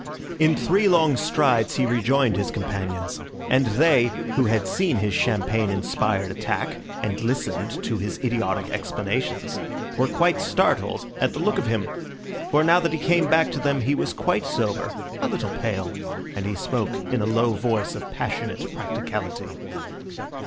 In three long strides he rejoined his companions, and they, who had seen his champagne inspired attack and listened to his idiotic explanations, were quite startled at the look of him. For now that he came back to them he was quite sober, a little pale, and he spoke in a low voice of passionate practicality.